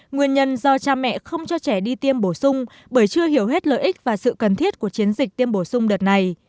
nguyên nhân do cha mẹ không cho trẻ đi tiêm bổ sung bởi chưa hiểu hết lợi ích và sự cần thiết của chiến dịch tiêm bổ sung đợt này